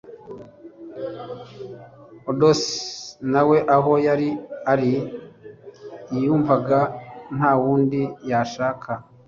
Odysseus nawe aho yari ari yumvaga ntawundi yashaka.